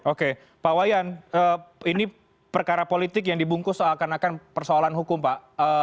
oke pak wayan ini perkara politik yang dibungkus seakan akan persoalan hukum pak